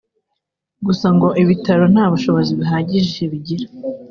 Gusa ngo ibitaro nta bushobozi buhagije bigira